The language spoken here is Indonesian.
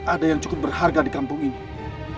ada yang cukup berharga di kampung ini